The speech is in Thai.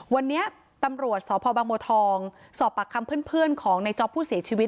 วันนี้ตำรวจสอบพ่อบางโบทองสอบปากคำเพื่อนเพื่อนของในจอบผู้เสียชีวิต